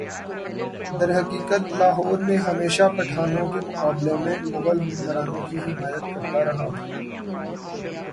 درحقیقت لاہور ہمیشہ پٹھانوں کے مقابلہ میں مغل حکمرانوں کی حمایت کرتا رہا